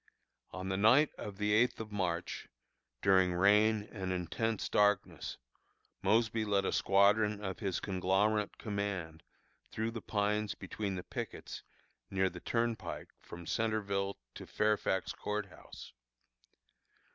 On the night of the eighth of March, during rain and intense darkness, Mosby led a squadron of his conglomerate command through the pines between the pickets near the Turnpike from Centreville to Fairfax Court House.